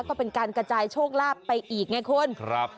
ก็เป็นการกระจายโชคลาภไปอีกไงคุณครับ